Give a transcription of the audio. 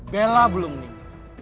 bella belum meninggal